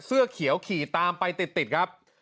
เสื้อเขียวขี่ตามไปติดครับ